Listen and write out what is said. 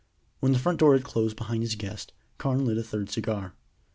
When the front door had closed behind his guest, Carne lit a third cigar.